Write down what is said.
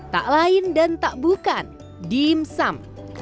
tak lain dan tak bukan dimsum